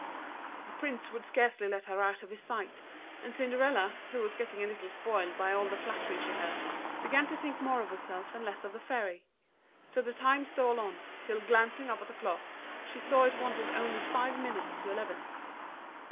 ] The Prince would scarcely let her out of his sight, and Cinderella, who was getting a little spoiled by all the flattery she heard, began to think more of herself and less of the Fairy; so the time stole on, till glancing up at the clock, she saw it wanted only five minutes to eleven.